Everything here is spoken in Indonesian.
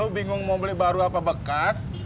bingung mau beli baru apa bekas